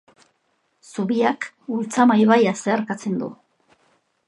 Zubiak Ultzama ibaia zeharkatzen du.